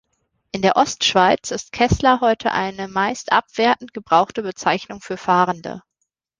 In der Ostschweiz ist Kessler heute eine meist abwertend gebrauchte Bezeichnung für Fahrende.